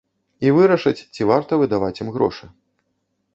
І вырашаць, ці варта выдаваць ім грошы.